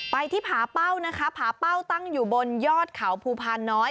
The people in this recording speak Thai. ไปที่ผาเป้านะคะผาเป้าตั้งอยู่บนยอดเขาภูพานน้อย